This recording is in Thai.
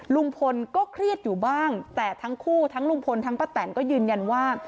ลุงพลก็เครียดอยู่บ้างแต่ทั้งคู่ทั้งลุงพลทั้งป้าแตนก็ยืนยันว่า